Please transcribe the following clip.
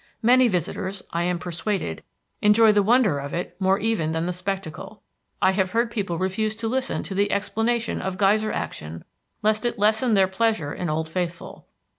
Many visitors, I am persuaded, enjoy the wonder of it more even than the spectacle. I have heard people refuse to listen to the explanation of geyser action lest it lessen their pleasure in Old Faithful.